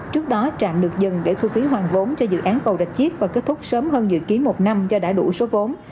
trước đó trạm được dừng để thu phí hoàn vốn cho dự án cầu rạch chiếc và kết thúc sớm hơn dự kiến một năm do đã đủ số vốn